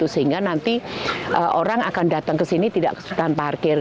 sehingga nanti orang akan datang kesini tidak lahan parkir